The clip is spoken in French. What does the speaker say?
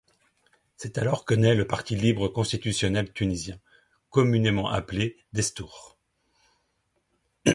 C'est alors que naît le Parti libre constitutionnel tunisien, communément appelé Destour.